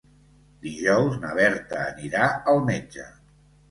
Dijous na Berta anirà al metge.